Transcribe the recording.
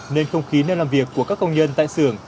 nên không khí nơi làm việc của các công nhân tại xưởng